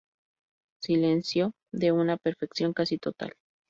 Silencio de una perfección casi total